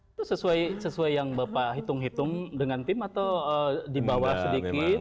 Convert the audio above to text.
itu sesuai yang bapak hitung hitung dengan tim atau di bawah sedikit